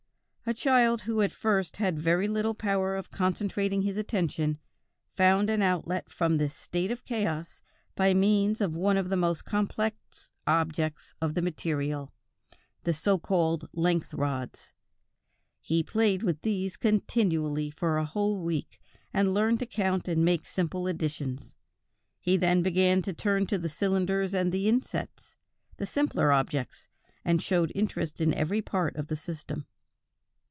"A child who at first had very little power of concentrating his attention, found an outlet from this state of chaos by means of one of the most complex objects of the material, the so called length rods; he played with these continually for a whole week and learned to count and make simple additions. He then began to turn to the cylinders and the insets, the simpler objects, and showed interest in every part of the system.